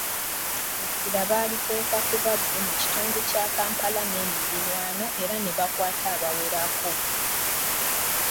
Essira baaliteeka ku babbi mu kitundu kya Kampala n’emiriraano era ne bakwata abawerako.